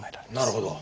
なるほど。